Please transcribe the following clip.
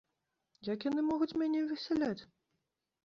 Як яны могуць мяне высяляць?